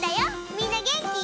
みんなげんき？